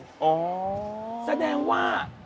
จะแสดงว่า